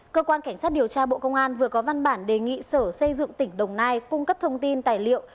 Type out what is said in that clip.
cơ quan cảnh sát điều tra bộ công an vừa có văn bản đề nghị sở xây dựng tỉnh đồng nai cung cấp thông tin tài liệu